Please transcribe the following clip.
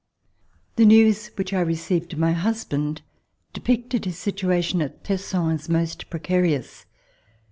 The news which I received of my husband depicted his situation at Tesson as most precarious.